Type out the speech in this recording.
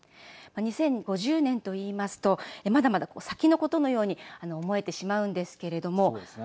２０５０年と言いますとまだまだ先のことのように思えてしまうんですけれども。